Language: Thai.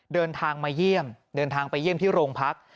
เดินทางมาเยี่ยมเดินทางไปเยี่ยมที่โรงพัก